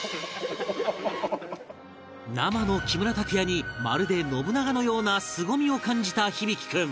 生の木村拓哉にまるで信長のようなすごみを感じた響大君